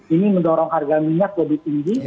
ini mendorong harga minyak lebih tinggi